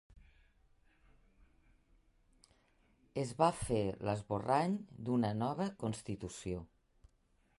Es va fer l'esborrany d'una nova constitució.